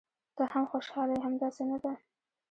ته هم خوشاله یې، همداسې نه ده؟